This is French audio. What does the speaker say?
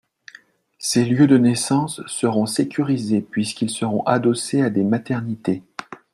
Ces lieux de naissance seront sécurisés puisqu’ils seront adossés à des maternités.